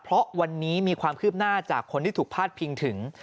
เพราะวันนี้มีความคืบหน้าจากคนที่ถูกพาดพิงถึง